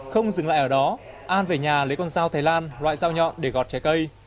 không dừng lại ở đó an về nhà lấy con dao thái lan loại dao nhọn để gọt trái cây